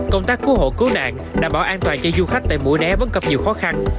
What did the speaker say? công tác cứu hộ cứu nạn đảm bảo an toàn cho du khách tại mũi né vẫn gặp nhiều khó khăn